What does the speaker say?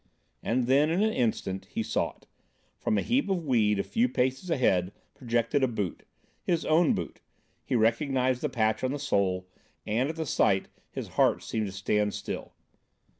And then, in an instant, he saw it. From a heap of weed, a few paces ahead, projected a boot; his own boot; he recognised the patch on the sole; and at the sight, his heart seemed to stand still.